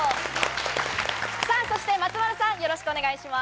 さぁ、そして松丸さん、よろしくお願いします。